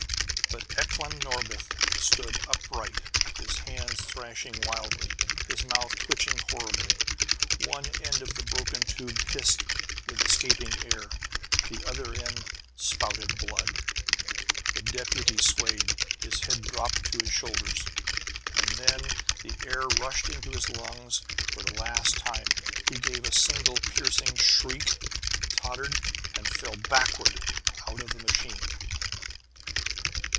But Eklan Norbith stood upright, his hands thrashing wildly, his mouth twitching horribly. One end of the broken tube hissed with escaping air; the other end spouted blood. The deputy swayed; his head dropped to his shoulders. And then the air rushed into his lungs for the last time; he gave a single piercing shriek, tottered, and fell backward out of the machine.